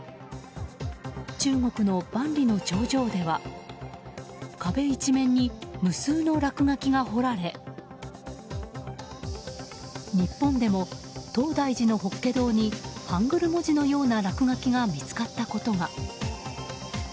中国の万里の長城では壁一面に無数の落書きが彫られ日本でも、東大寺の法華堂にハングル文字のような落書きが見つかったことが。